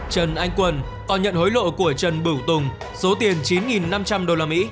trần anh quân còn nhận hối lộ của trần bửu tùng số tiền chín năm trăm linh usd